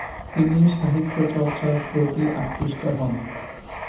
তিনি সাহিত্যচর্চার প্রতি আকৃষ্ট হন।